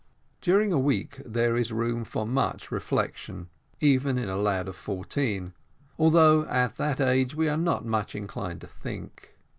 During a week there is room for much reflection, even in a lad of fourteen, although at that age we are not much inclined to think.